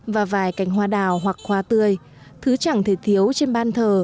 và vài cảnh hoa đào hoặc hoa tươi thứ chẳng thể thiếu trên ban thờ